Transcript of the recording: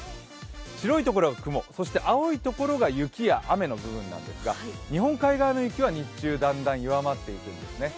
白い所が雲、青い所が雪や雨の部分なんですが、日本海側の雪は日中だんだん弱まっていくんですね。